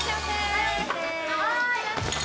はい！